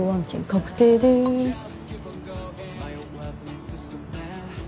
確定です」